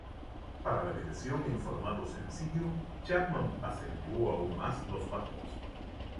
Para la versión en formato sencillo, Chapman acentuó aún más los bajos.